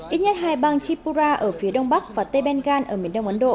ít nhất hai bang chipura ở phía đông bắc và t benggan ở miền đông ấn độ